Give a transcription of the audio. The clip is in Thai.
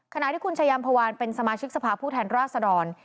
ขณะที่คุณชายามพวานเป็นสมาชิกสภาพผู้แทนราชดร